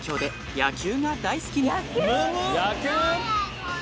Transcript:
野球。